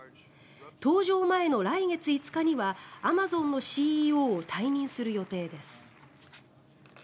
搭乗前の来月５日にはアマゾンのＣＥＯを退任する予定です。